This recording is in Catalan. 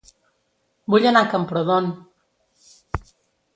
Vull anar a Camprodon